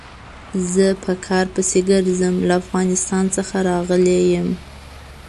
زه په کار پسې ګرځم، له افغانستان څخه راغلی يم.